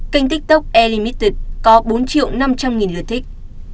kênh tiktok e limited có bốn năm trăm linh lượt thích